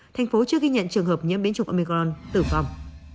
tp hcm chưa ghi nhận trường hợp nhiễm biến chủng omicron tử vong